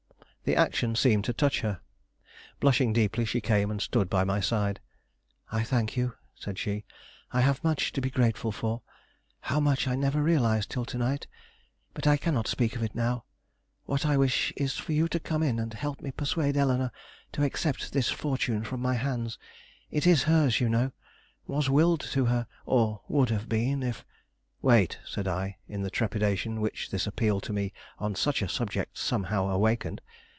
The action seemed to touch her. Blushing deeply, she came and stood by my side. "I thank you," said she. "I have much to be grateful for; how much I never realized till to night; but I cannot speak of it now. What I wish is for you to come in and help me persuade Eleanore to accept this fortune from my hands. It is hers, you know; was willed to her, or would have been if " "Wait," said I, in the trepidation which this appeal to me on such a subject somehow awakened.